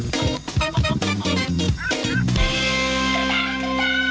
สวัสดีครับ